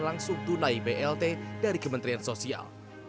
langsung tunai blt dari kementerian sosial